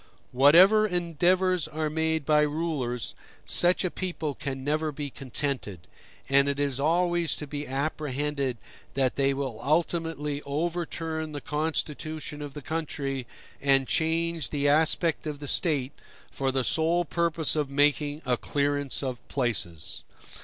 Whatever endeavors are made by rulers, such a people can never be contented; and it is always to be apprehended that they will ultimately overturn the constitution of the country, and change the aspect of the State, for the sole purpose of making a clearance of places.